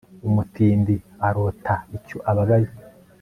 umutindi arota icyo ababaye